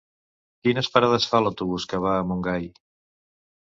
Quines parades fa l'autobús que va a Montgai?